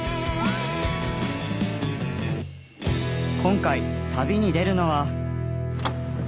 今回旅に出るのは。